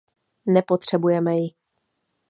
Nepotřebujeme ji.